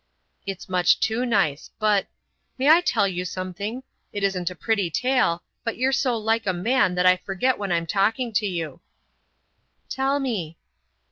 "It's much too nice. But—— May I tell you something? It isn't a pretty tale, but you're so like a man that I forget when I'm talking to you." "Tell me."